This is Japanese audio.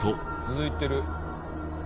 続いてる。